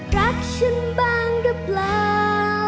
รักฉันบ้างหรือเปล่า